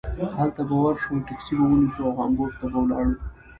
هلته به ور شو ټکسي به ونیسو او هامبورګ ته به لاړو.